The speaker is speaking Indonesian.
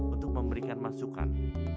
untuk memberikan masukan